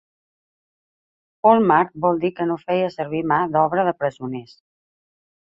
Walmart va dir que no feia servir mà d'obra de presoners.